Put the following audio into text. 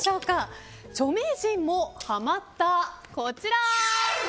著名人もハマったこちら。